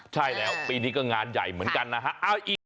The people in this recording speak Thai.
ใช่แล้วปีนี้ก็งานใหญ่เหมือนกันนะฮะ